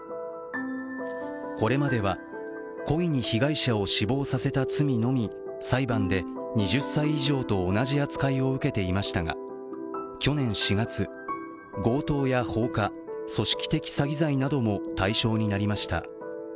これまでは故意に被害者を死亡させた罪のみ裁判で２０歳以上と同じ扱いを受けていましたが、去年４月、強盗や放火、組織的詐欺罪なども対象になりました。